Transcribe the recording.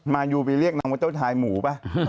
มายูไปเรียกนางว่าเจ้าทายหมูป่ะ